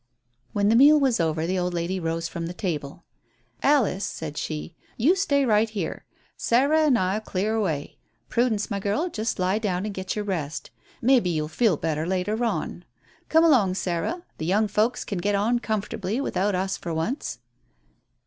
When the meal was over the old lady rose from the table. "Alice," said she, "you stay right here. Sarah and I'll clear away. Prudence, my girl, just lie down and get your rest. Maybe you'll feel better later on. Come along, Sarah; the young folks can get on comfortably without us for once."